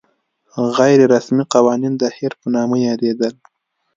غیر رسمي قوانین د هیر په نامه یادېدل.